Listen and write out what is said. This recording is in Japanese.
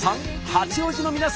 八王子の皆さん